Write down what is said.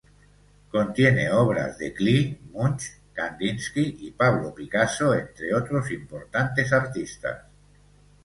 Contiene obras de Klee, Munch, Kandinsky y Pablo Picasso, entre otros importantes artistas.